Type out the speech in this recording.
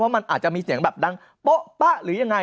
มันอาจจะมีเสียงแบบดังโป๊ะป๊ะหรือยังไง